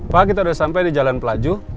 pa kita udah sampai di jalan pelaju